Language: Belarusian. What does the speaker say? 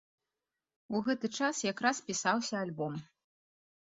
У гэты час якраз пісаўся альбом.